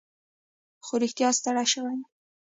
خو رښتیا ستړی شوی یم.